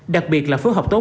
đặc biệt là phối hợp tốt